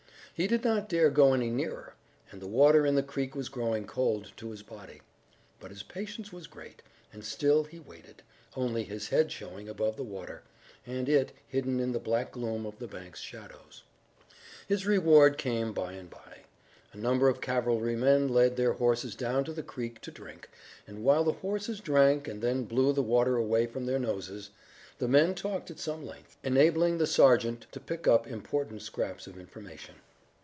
He did not dare go any nearer, and the water in the creek was growing cold to his body. But his patience was great, and still he waited, only his head showing above the water, and it hidden in the black gloom of the bank's shadows. His reward came by and by. A number of cavalrymen led their horses down to the creek to drink, and while the horses drank and then blew the water away from their noses, the men talked at some length, enabling the sergeant to pick up important scraps of information.